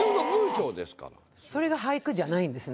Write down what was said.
それが俳句じゃないんですね。